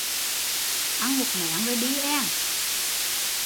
Ăn một méng rồi đi eng